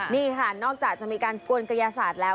นี่ค่ะนอกจากจะมีการกวนกระยาศาสตร์แล้ว